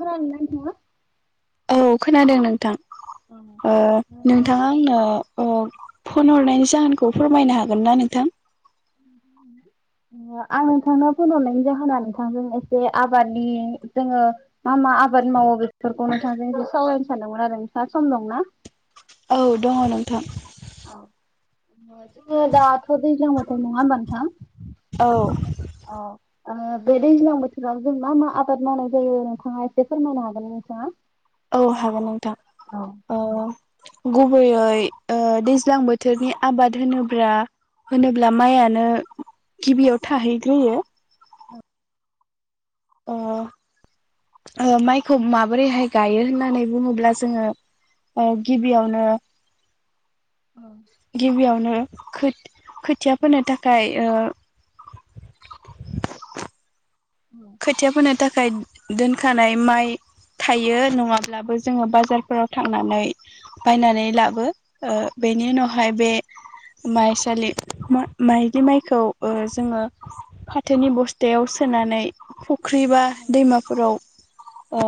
खोनादोंना नोंथाङा? औ खोनादों नोंथां। ओ नोंथाङा आंनो अ फन हरनायनि जाहोनखौ फोरमायनो हागोन ना नोंथां? आं नोंथांनो फनहरनायनि जाहोना नोंथांजों एसे आबादनि जोङो मा मा आबाद मावो बेफोरखौ नोंथांजों इसे सावरायनो सानदोंमोन आरो नोंथांआ सम दंना? औ दङ नोंथां। औ [unintelligible] ओ दाथ' दैज्लां बोथ औ नङा ओमबा नोंथां? औ ओ बे दैज्लां बोथोराव जों मा मा आबाद मावनाय जायो नोंथाङा इसे फोरमायनो हागोन ना नोंथाङा? औ हागोन नोंथां औ ओ गुबैयै ओ दैज्लां बोथोरनि आबाद होनोब्ला होनोब्ला माइयानो गिबियाव थाहैग्रोयो। ओ ओ माइखौ माबोरैहाय गायो होननानै बुङोब्ला जोङो ओ गिबियावनो औ गिबियावनो खोथ खोथिया फोनो थाखाय ओ औ खोथिया फोनो थाखाय दोनखानाय माइ थायो नङाब्लाबो जोङो बाजारफोराव थांनानै बायनानै लाबो ओ बेनि उनावहाय बे माइसालि मा माइग्लि माइखौ ओ जोङो फाथोनि बस्थायाव सोनानै [unintelligible] ख्रि एबा औ दैमाफोराव ओ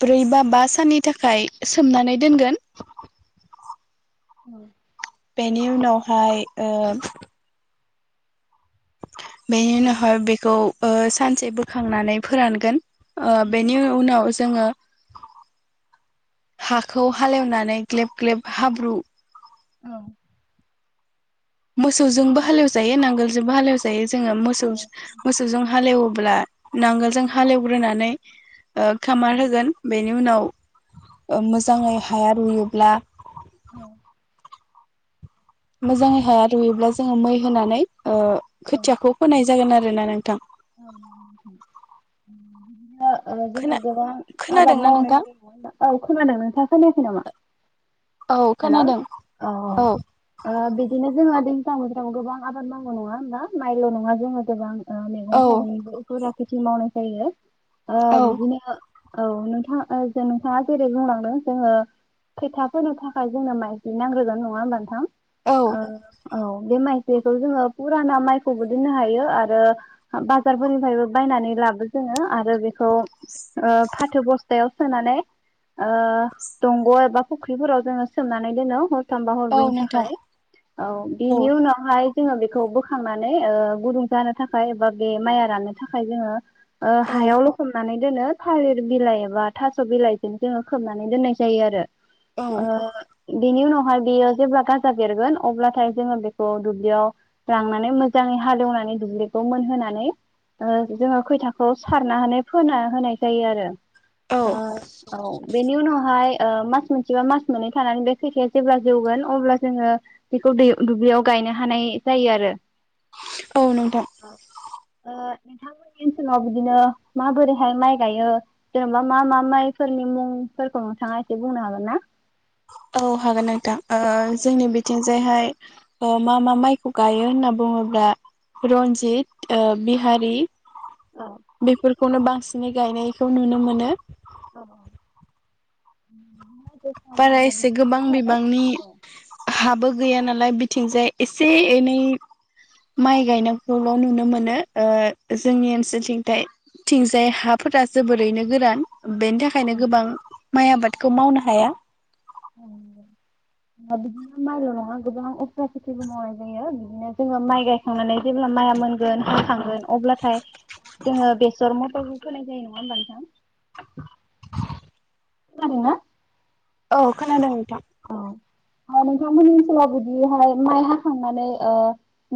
ब्रै बा बा साननि थाखाय सोमनानै दोनगोन। औ बेनि उनावहाय ओम बेनि औ उनावहाय बेखौ ओ सानसे बोखांनानै फोरानगोन। ओ बेनि औ उनाव जोङो हाखौ हालेवनानै ग्लेब ग्लेब हाब्रु औ मोसौजोंबो हालेवजायो नांगोलजोंबो हालेवजायो जोङो मोसौ मोसौजों हालेवोब्ला नांगोलजों हालेवग्रोनानै, ओ खामार होगोन बेनि उनाव मोजाङै हाया रुयोब्ला औ मोजाङै हाया रुयोब्ला जोङो मै होनानै, ओ औ खोथियाखौ फोनाय जागोन आरो ना नोंथां? [unintelligible] ओ जोङो खोना गोबां आबाद खोनादोंना मावनो नोंथां औ खोनादों नोंथाङा खोनायाखै नामा? औ हेलौ! खोनादों औ ओ बिदिनो जोङो, [unintelligible] गोबां आबाद मावनो नङा होनबा माइल नङा जोङो गोबां, ओ मैगं औ थाइगंनिबो इफोरा खेथि मावनाय जायो। ओ औ बिदिनो औ नोंथां नोंथाङा जेरै बुंलांदों जोङो खोथाफोरनो जोंनो माइ ग्लि नांग्रोगोन नङा होनबा नोथां, औ ओ औ बे मायग्लिखौ जोङो फुराना माइखौबो दोननो हायो आरो बाजारफोरनिफ्रायबो बायनानै लाबो जोङो आरो औ ओ फाथो बस्थायाव सोनानै, आ दंग एबा फुख्रिफोराव जोङो सोमनानै दोनो थामबा औ हरब्रैनि नोंथां थाखाय औ औ बिनि उनावहाय, जोङो बेखौ बोखांनानै ओ गुदुं जानो थाखाय बा बे माइ राननो थाखाय जोङो, ओ औ हायाव ल'खबनानै बिदिनो थालिर बिलाइ एबा थास बिलाइजों जोङो खोबनानै दोननाय जायो आरो औ ओं बेनि उनावहाय बेयो जेब्ला गाजा बेरगोन अब्लाथाय जोङो बेखौ दुब्लियाव लांनानै मोजाङै हालेवनानै दुब्लिखौ मोनहोनानै जोङो खैथाखौ सारना फोना होनाय जायो आरो औ ओ औ बेनि उनावहाय, ओ मास मोनसेबा मास मोनै, थानानै बे खोथियाया जेब्ला जौगोन अब्ला जोङो बेखौ दै दुब्लियाव गायनो हानाय जायो आरो औ नोंथां ओ नोंथांमोननि ओनसोलाव बिदिनो माबोरैहाय माइ गायो जेनेबा मा मा माइफोरनि मुंफोरखौ नोंथाङा एसे बुंनो हागोन ना? औ हागोन नोंथां, ओ जोंनि बिथिं, जायहाय मा मा माइखौ गायो होनना बुङोब्ला रन्जित ओ बिहारि औ बेफोर खौनो बांसिनै गायनायखौ नुनो मोनो [unintelligible] बारा मावग्रा एसे बेफोरबो गोबां थाबाय बिबांनि औ हाबो गैया नालाय बिथिंजाय एसे एनै माइ गायनायखौल' नुनो मोनो ओ जोंनि ओनसोलथिंथाय थिंजाय हाफोरा जोबोरैनो गोरान बेनि थाखायनो गोबां माइ आबादखौ मावनो हाया बिदिनो माइल नङा गोबां अफ्रा खेथिबो मावनाय जायो बिदिनो जोङो माइ गायखांनानै जेब्ला माइआ मोनगोन हाखांगोन अब्लाथाय जोङो बेसर मथे खौबो फोनाय जायो नङा होनबा नोंथां लांदां खोनादों ना औ खोनादों नोंथां औ नोंथांमोननि ओनसोलाव बिदिहाय माइ हाखांनानै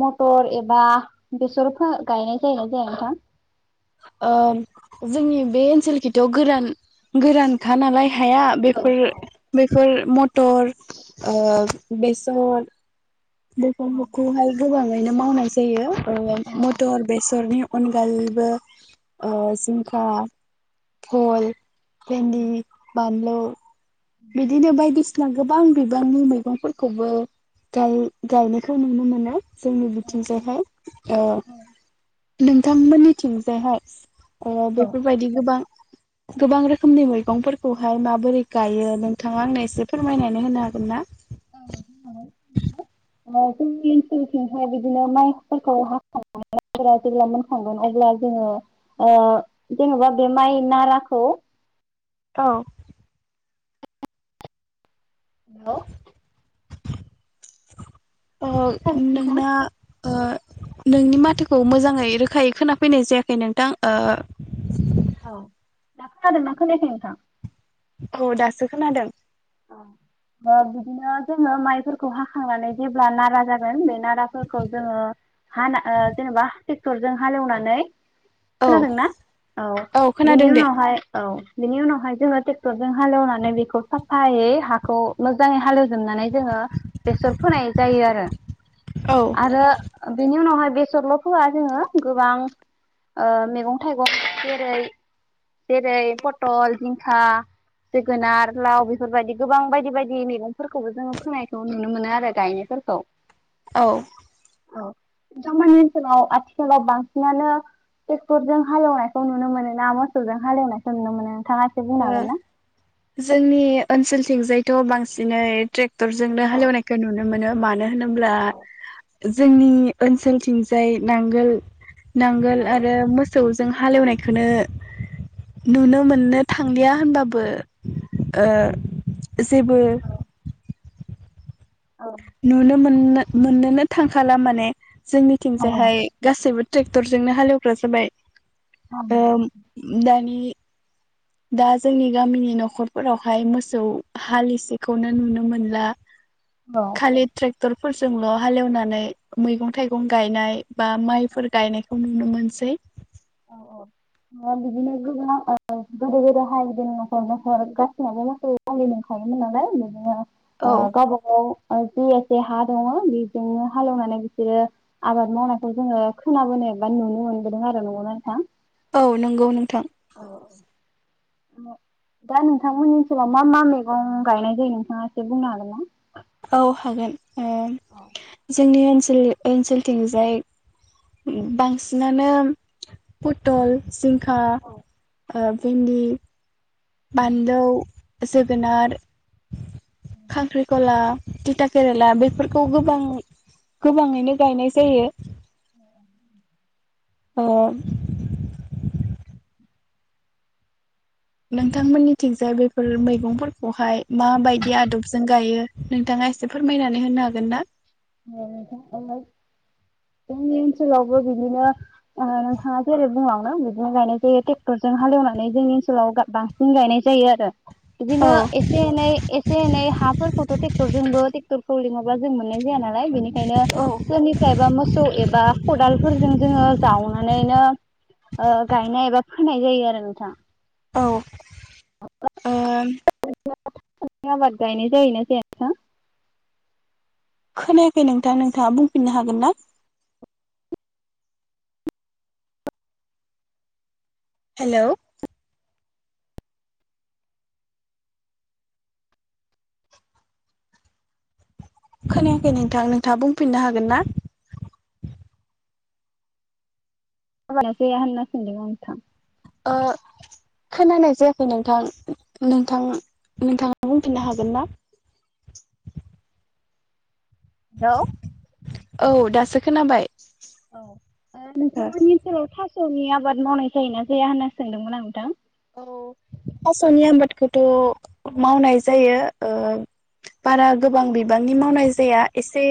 मटर एबा बेसर गायनाय जायोना जाया नोंथां ओ जोंनि बे ओनसोल खिथियाव गोरान गोरानखा नालाय हाया औ बेफोर बेफोर मद टर ओ बेसर बेसर फोरखौहाय गोबां बेहायनो मावनाय जायो औ ओ मटर बेसरनि अनगायैबो ओ जिंखा भल भेन्दि बानलौ बिदिनो बायदिसिना गोबां बिबांनि मैगंफोरखौबो गाय गायनायखौ नुनो मोनो जोंनि बिथिंजोंहाय नोंथांमोननि थिंजायहाय अ औ बेफोरबायदि गोबां गोबां रोखोमनि मैगंफोरखौहाय माबोरै गायो नोंथाङा आंनो एसे फोरमायनानै होनो हागोन ना औ नोंथां हागोन जोंनि ओनसोलथिहाय बिदिनो माइफोरखौ हाखांनानै जेब्ला मोनखांगोन अब्ला जोङो जेन'बा बे माइ नाराखौ औ हेल' अ खोनादोंना नोंथां? नोंना ओ नोंनि माथोखौ मोजाङै रोखायै खोनाफैनाय जायाखै नोंथां ओ औ दा खोनादोंना खोनायाखै नोंथां? औ दासो खोनादों ओ बिदिनो जोङो माइफोरखौ हाखांनानै जेब्ला नारा जागोन बे नाराफोरखौ जोङो हाना ओ जेनेबा ट्रेक्टरजों हालेवनानै औ खोनादोंना औ बिनि खोनादों दे उनावहाय औ बेनि उनावहाय जोङो टेक्टरजों हालेवनानै बेखौ सा फायै हाखौ मोजाङै हालेवजोबनानै जोङो बेसर फोनाय जायो औ आरो बेनि उनावहाय बेसरल' फोआ जोङो गोबां ओ मैगं थाइगं जेरै जेरै पतल जिंखा जोगोनार लाव बे बेफोरबायदि गोबां बायदि बायदि मैगंफोरखौबो जोङो फोनायखौ नुनो मोनो आरो गायनायफोरखौ औ औ नोथांमोननि ओनसोलाव आथिखालाव बांसिनानो टेकटरजों हालेवनायखौ नुनो मोनोना मोसौजों हालेवनायखौ नुनो मोनो नोंथाङा एसे बुंनो ओ हागोन ना? जोंनि ओनसोलथिंजायथ' बांसिनै ट्रेक टरजोंनो औ हालेवनायखौ नुनो मोनो मानो होनोब्ला औ जोंनि ओनसोलथिंजाय नांगोल नांगोल आरो मोसौ जों हालेवनायखौनो नुनो मोननो थांलिया होनबाबो ओ जेबो औ नुनो मोनना मोननोनो थांखाला माने औ जोंनिथिंजायहाय गासैबो ट्रेक्टरजोंनो हालेवग्रा जाबाय ओ दानि दा जोंनि गामिनि न'खरफोरावहाय मोसौ हालि एसिखौनो नुनो मोनला औ खालि ट्रेक टरफोरजोंल' हालेवनानै मैगं थाइगं गायनाय बा माइफोर गायनायखौ नुनो मोनसै औ औ बिदिनो गोबां ओ गोदो गोदाय हायदों न'खर न'खर गासिनाबो मोसौ फालि नोखायोमोन नालाय बिदिनो औ ओ गावबा गाव ओ जि एसे हा दङ' बेजोंनो हालेवनानै बिसोरो आबाद मावनायखौ जोङो खोनाबोनो एबा नुनो मोनबोदों आरो न'आव थां औ नंगौ नोंथां [inaudible] दा नोंथांमोननि ओनसोलाव मा मा मैगं गायनाय जायो नोंथाङा एसे बुंनो हागोनना? औ हागोन [unintelligible] जोंनि [unintelligible] [unintelligible] ओनसोलथिंजाय बांसिनानो पथल जिंखा भिन्दि बानलौ जोगोनार खांख्रिखला तिथा केरेला बेफोरखौ बां गोबाङैनो गायनाय जायो। [inaudible] अ नोंथांमोननि थिगजाय बेफोर मैगंफोरखौहाय माबायदि आदबजों गायो नोंथाङा एसे फोरमायनानै होनो हागोन ना जोंनि ओनसोलावबो बिदिनो नोंथाङा जेरै बुङावनो बिदिनो गायनाय जायो ट्रेक्टरजों हालेवनानै जोंनि ओनसोलाव बांसिन गायनाय जायो आरो औ बिदिनो एसे एनै एसे एनै हाफोरखौथ' टक्टरजोंबो‌ टेक्टरखौ लिङाबा जों मोननाय जाया ना [unintelligible] ओंखायनो औ सोरनिफ्रायबा मोसौ एबा खदाल फोरजों जोङो जावनानैनो गायनाय एबा फोनाय जायो आरो नोंथां औ ओ आबाद गायनाय जायोना जाया नोंथां खोनायाखै नोंथां नोंथाङा बुंफिननो हागोन ना हेलौ खोनायाखै नोंथां नोंथाङा बुंफिननो हागोन ना [unintelligible] ओ खोनानाय जायाखै नोंथां नोंथां नोंथाङा बुंफिननो हागोन ना हेलौ औ दासो खोनाबाय औ ओ नोंथांमोननि ओनसोलाव थास थास'नि आबाद मावनाय जायोना जाया होनना सोंदोंमोन आं नोंथां औ थास'नि [unintelligible] मावनाय जायो बारा गोबां बिबांनि मावनाय जाया एसे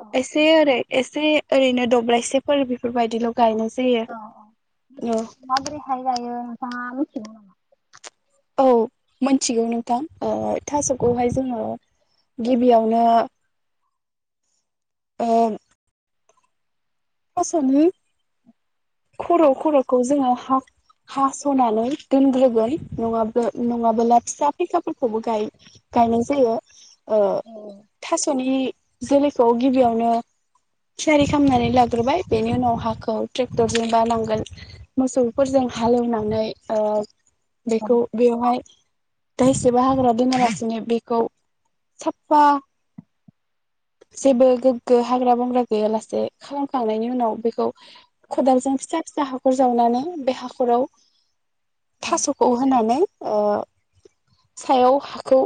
औ एसे ओरै एसे ओरैनो दब्लायसेफोर बेफोरबायदिल' गायनाय औ जायो औ माबोरैहाय गायो [unintelligible] औ मोनथिगौ नोंथां थास'खौहाय जोङो गिबियावनो ओ थासनि औ खर' खर'खौ जोङो हा हा हास'नानै दोनग्रोगोन नङाब्ला नङाबोला फिसा फेंखा [unintelligible] खौबो‌ गाय गायनाय जायो। ओ औ थास'नि जोलैखौ गिबियावनो थियारि खालामनानै लाग बेनि उनाव हाखौ ट्रेक्टरजों बा नांगोल मोसौफोरजों हालेवनानै ओ औ बेखौ बेवहाय दायसेबो हाग्रा दोनालासि बेखौ साफा जेबो गोग्गो हाग्रा बंग्रा गैयालासे खालामखांनायनि उनाव बेखौ खदालजों फिसा फिसा हाख हाखर जावनानै बे हाखराव थास'खौ होनानै ओ सायाव हाखौ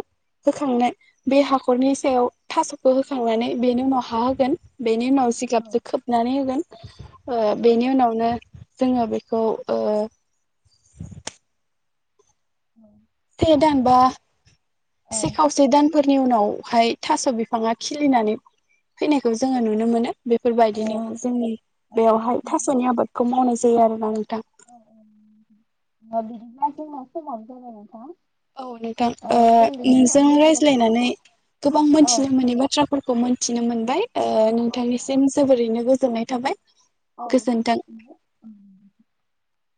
होखांनो बे हाखरनि सायाव थास' खौ होखांनानै बेनि उनाव हा होगोन। बेनि उनाव जिगाबजो खोबनानै होगोन। ओ बेनि उनावनो जोङो बेखौ ओ से दानबा औ से खावसे दान फोरनि उनावहाय थास' बिफाङा खिलिनानै फैनायखौ जोङो नुनो मोनो। बेफोरबायदिनो जोंनि बेयावहाय थास'नि आबादखौ मावनाय जायो। [unintelligible] औ बिदिब्ला जोंओ समाबो जाबाय नोंथां। औ नोंथां जों नोंजों बेखिनियावनो दोनथ'जासिगोन रायज्लायनानै नामा? गोबां औ मोनथिनो मोननि बाथ्राफोरखौ मोनथिनो मोन बाय नोंथांनिसिम जोबोरैनो गो गोजोननाय थाबाय। गोजोन्थों औ